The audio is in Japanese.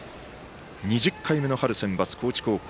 ２０回目の春センバツ、高知高校。